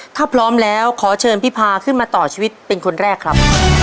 ถ้าพร้อมแล้วขอเชิญพี่พาขึ้นมาต่อชีวิตเป็นคนแรกครับ